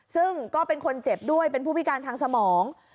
ซึ่งก็เป็นคนเจ็บด้วยเป็นผู้พิการทางสมอง